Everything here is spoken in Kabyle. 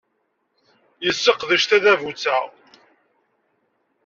Yesseqdec tadabut-a.